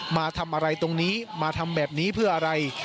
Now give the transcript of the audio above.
มาทำอะไรตรงนี้มาทำแบบนี้เพื่ออะไร